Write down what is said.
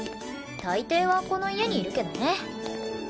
大抵はこの家にいるけどね。